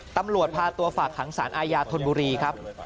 ตำรวจพาตัวฝากขังสารอาญาธนบุรีครับ